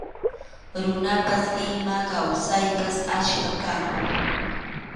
Runapas ima kawsaypas achkam kan.